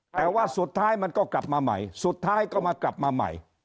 แต่ว่าสุดท้ายมันก็กลับมาใหม่สุดท้ายก็มากลับมาใหม่